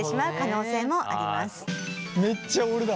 めっちゃ俺だ。